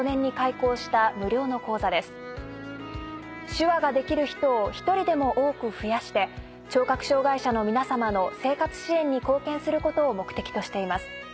手話ができる人を１人でも多く増やして聴覚障がい者の皆さまの生活支援に貢献することを目的としています。